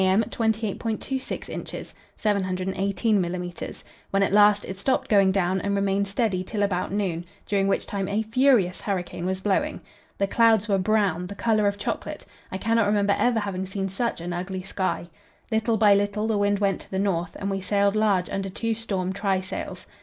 m. 28.26 inches (718 millimetres), when at last it stopped going down and remained steady till about noon, during which time a furious hurricane was blowing. The clouds were brown, the colour of chocolate; I cannot remember ever having seen such an ugly sky. Little by little the wind went to the north, and we sailed large under two storm trysails.